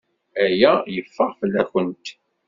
Aya yeffeɣ fell-awent.